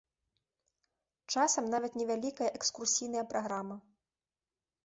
Часам нават невялікая экскурсійная праграма.